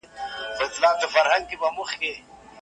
دوه رګه کیدل د قومي غرور د کمیدو لامل دی.